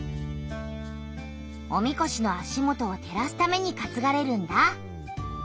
おみこしの足元をてらすためにかつがれるんだ！